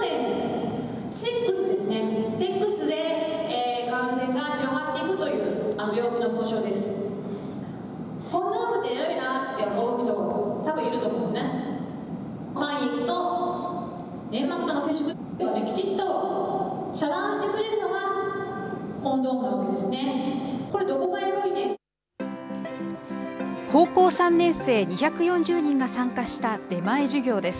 性感染症は、セックスで感染が広がっていくという病気の総称です。